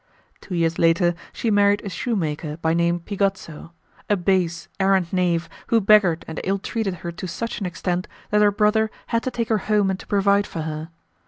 Two years later she married a shoemaker, by name Pigozzo a base, arrant knave who beggared and ill treated her to such an extent that her brother had to take her home and to provide for her.